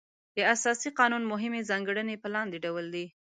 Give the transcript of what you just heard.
د اساسي قانون مهمې ځانګړنې په لاندې ډول دي.